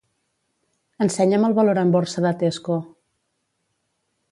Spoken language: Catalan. Ensenya'm el valor en borsa de Tesco.